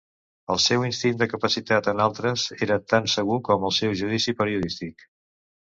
El seu instint de capacitat en altres era tan segur com el seu judici periodístic.